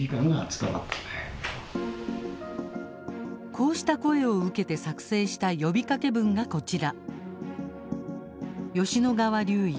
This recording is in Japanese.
こうした声を受けて作成した呼びかけ文が、こちら。